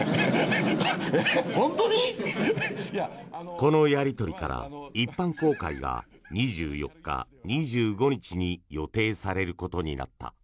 このやり取りから一般公開が２４日、２５日に予定されることになった。